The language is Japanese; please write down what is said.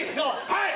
はい。